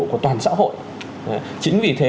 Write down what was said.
của toàn xã hội chính vì thế